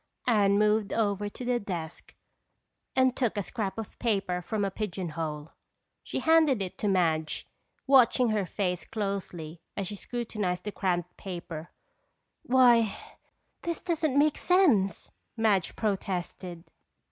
Anne moved over to the desk and took a scrap of paper from a pigeon hole. She handed it to Madge, watching her face closely as she scrutinized the cramped writing. "Why, this doesn't make sense!" Madge protested.